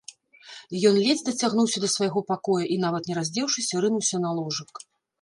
Ён ледзь дацягнуўся да свайго пакоя і, нават не раздзеўшыся, рынуўся на ложак.